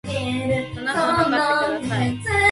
七分測ってください